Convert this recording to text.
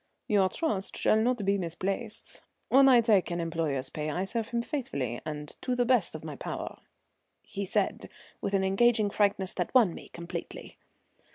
"Your trust shall not be misplaced. When I take an employer's pay I serve him faithfully and to the best of my power," he said with an engaging frankness that won me completely.